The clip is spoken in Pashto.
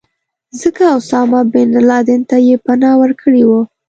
ځکه اسامه بن لادن ته یې پناه ورکړې وه.